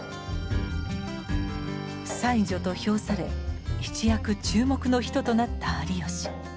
「才女」と評され一躍注目の人となった有吉。